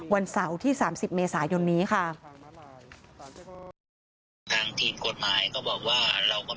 วันเสาร์ที่๓๐เมษายนนี้ค่ะ